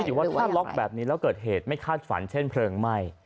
ก็คิดอยู่ว่าถ้าล็อคแบบนี้แล้วเกิดเหตุไม่คาดฝันเช่นเพลิงไหม้